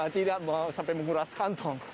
tidak sampai menguras kantong